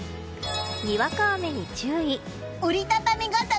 にわか雨に注意。